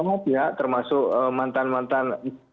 semua pihak termasuk mantan mantan